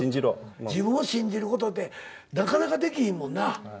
自分を信じることってなかなかできひんもんな。